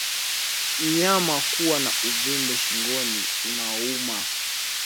Mnyama kuwa na uvimbe shingoni unaouma